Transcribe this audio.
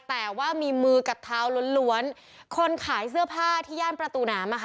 แต่ว่ามีมือกับเท้าล้วนล้วนคนขายเสื้อผ้าที่ย่านประตูน้ำอ่ะค่ะ